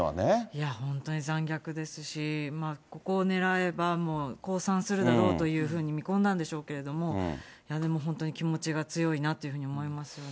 いや、本当に残虐ですし、ここを狙えば、もう、降参するだろうというふうに見込んだんでしょうけれども、いや、でも、本当気持ちが強いなというふうに思いますよね。